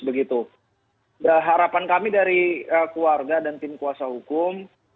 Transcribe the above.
harapan kami dari keluarga dan tim kuasa hukum